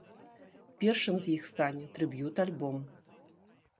Першым з іх стане трыб'ют-альбом.